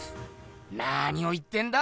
なにを言ってんだ？